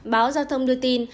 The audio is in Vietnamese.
báo giao thông đưa tin